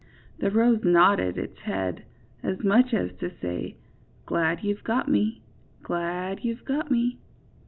The rose nodded its head, as much as to say: ^^Glad you've got me! glad you've got me!